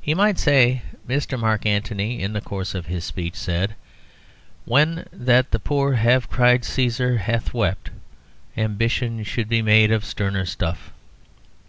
He might say "Mr. Mark Antony, in the course of his speech, said 'When that the poor have cried Cæsar hath wept: Ambition should be made of sterner stuff.'"